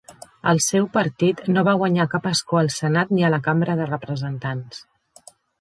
Els seu partit no va guanyar cap escó al Senat ni a la Cambra de Representants.